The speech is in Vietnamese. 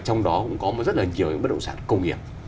trong đó cũng có rất là nhiều những bất động sản công nghiệp